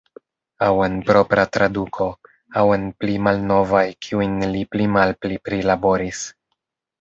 Aŭ en propra traduko, aŭ en pli malnovaj kiujn li pli malpli prilaboris.